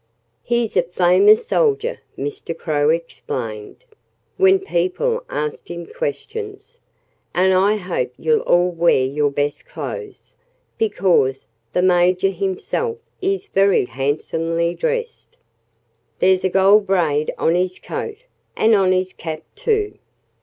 "He's a famous soldier," Mr. Crow explained, when people asked him questions. "And I hope you'll all wear your best clothes, because the Major himself is very handsomely dressed. There's gold braid on his coat, and on his cap, too."